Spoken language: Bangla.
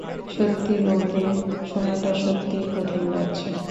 সত্যি বলতে, সময়টা সত্যিই কঠিন যাচ্ছে।